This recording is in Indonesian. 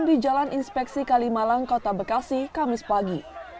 di jalan inspeksi kalimalang kota bekasi kami sepagi